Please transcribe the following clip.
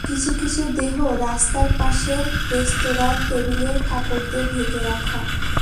কিছু কিছু দেহ রাস্তার পাশের রেস্তোরাঁর টেবিলের কাপড় দিয়ে ঢেকে রাখা।